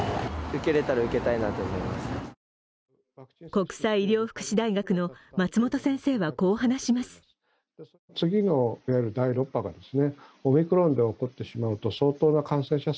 国際医療福祉大学の松本先生はこう話します。